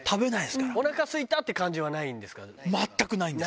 おなかすいたって感じはない全くないです。